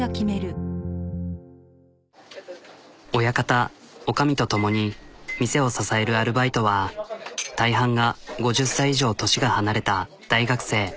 親方女将と共に店を支えるアルバイトは大半が５０歳以上年が離れた大学生。